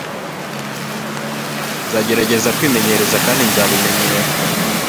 Nzagerageza kwimenyereza kandi nzabimenyera